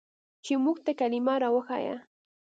چې موږ ته کلمه راوښييه.